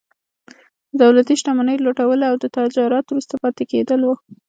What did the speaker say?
د دولتي شتمنیو لوټول او د تجارت وروسته پاتې کېدل وو.